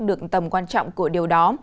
được tầm quan trọng của điều đó